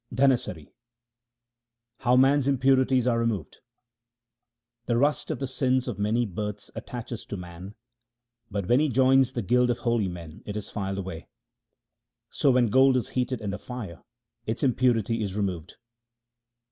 Dhanasari How man's impurities are removed :— The rust of the sins of many births attaches to man ; but when he joins the guild of holy men it is filed away : So when gold is heated in the fire, its impurity is removed.